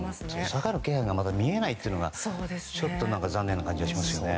下がる気配がまだ見えないというのがちょっと残念ですね。